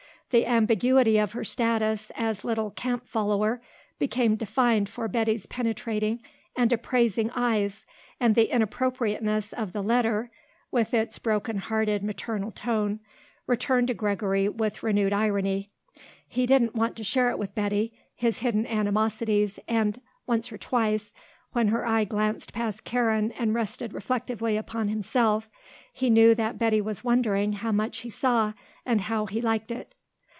The ambiguity of her status as little camp follower became defined for Betty's penetrating and appraising eyes and the inappropriateness of the letter, with its broken hearted maternal tone, returned to Gregory with renewed irony. He didn't want to share with Betty his hidden animosities and once or twice, when her eye glanced past Karen and rested reflectively upon himself, he knew that Betty was wondering how much he saw and how he liked it.